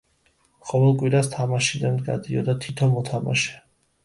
ყოველ კვირას თამაშიდან გადიოდა თითო მოთამაშე.